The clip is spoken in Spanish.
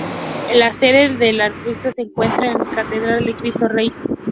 La sede del arzobispo se encuentra en la Catedral de Cristo Rey.